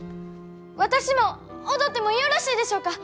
私も踊ってもよろしいでしょうか！